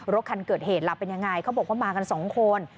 คันเกิดเหตุล่ะเป็นยังไงเขาบอกว่ามากันสองคน